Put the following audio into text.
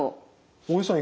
大江さん